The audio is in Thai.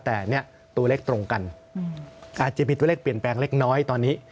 แต่เนี่ยตัวเลขตรงกันอาจจะผิดตัวเลขเปลี่ยนแปลงเล็กน้อยตอนนี้